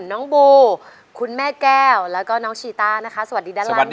น้องบูคุณแม่แก้วแล้วก็น้องชีวิตาสวัสดีด้านล่างด้วยค่ะ